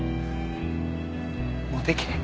もうできへん。